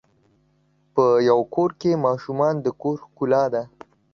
په یوه کور کې ماشومان د کور ښکلا ده.